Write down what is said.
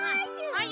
はい。